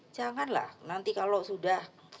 janganlah nanti kalau sudah